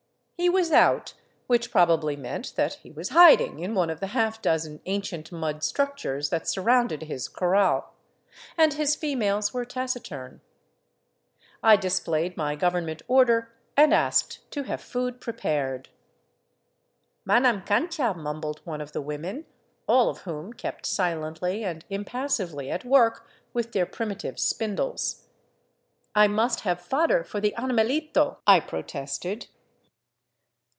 He was out — which probably meant that he was hiding in one of the half dozen ancient mud structures that surrounded his corral — and his females were taciturn. I displayed my government order and asked to have food prepared. " Manam cancha," mumbled one of the women, all of whom kept silently and impassively at work with their primitive spindles. *' I must have fodder for the animalito," I protested.